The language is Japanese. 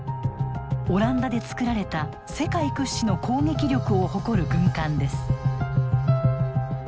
オランダで造られた世界屈指の攻撃力を誇る軍艦です。